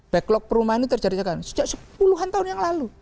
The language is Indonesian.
backlog perumahan ini terjadi sejak sepuluhan tahun yang lalu